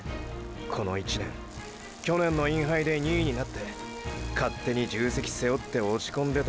この１年ーー去年のインハイで２位になって勝手に重責背負って落ちこんでたのも知ってる。